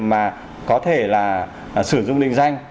mà có thể là sử dụng định danh